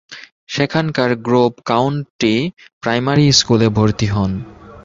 সেখানকার Grove County primary স্কুলে ভর্তি হন।